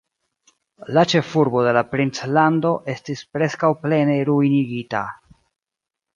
La ĉefurbo de la princlando estis preskaŭ plene ruinigita.